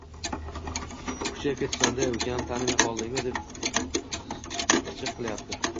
"Kuchayib ketibsande ukam, tanime qoldingmi" deb qichiq qilyapti